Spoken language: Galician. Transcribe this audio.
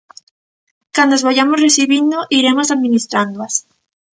Cando as vaiamos recibindo, iremos administrándoas.